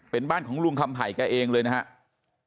เป็นบ้านของลุงคำไผ่แกเองเลยนะครับ